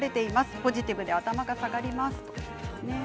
ポジティブで頭が下がります。